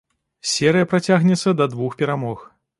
Серыя працягнецца да двух перамог.